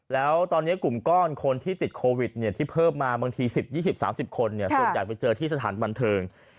แล้วตอนนี้กลุ่มก้อนคนที่ติดโควิดที่เพิ่มมาบางที๑๐๒๐๓๐คนส่วนใหญ่ไปเจอที่สถานบันเทิง